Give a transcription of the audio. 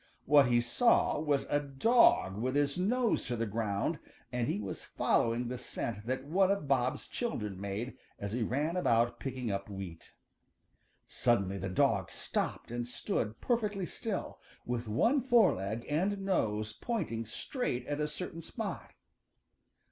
What he saw was a dog with his nose to the ground and he was following the scent that one of Bob's children made as he ran about picking up wheat. Suddenly the dog stopped and stood perfectly still, with one foreleg and nose pointing straight at a certain spot.